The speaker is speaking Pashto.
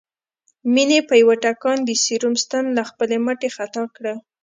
مينې په يوه ټکان د سيروم ستن له خپلې مټې خطا کړه